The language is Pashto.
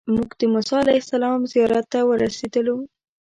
موږ د موسی علیه السلام زیارت ته ورسېدلو.